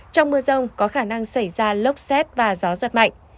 trong mưa rông có khả năng xảy ra lốc xét và gió giật mạnh